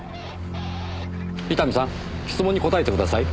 伊丹さん質問に答えてください。